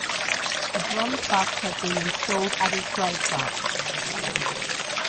A bronze bust has been installed at his grave site.